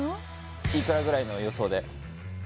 いくらぐらいの予想で？